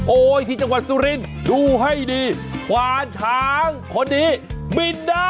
ที่จังหวัดสุรินทร์ดูให้ดีควานช้างคนนี้บินได้